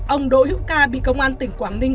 ông đỗ hữu ca bị công an tỉnh quảng ninh